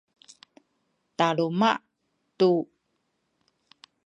taluma’ tu